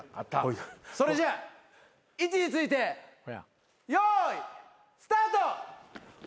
それじゃあ位置についてよいスタート！